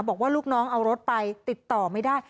บอกว่าลูกน้องเอารถไปติดต่อไม่ได้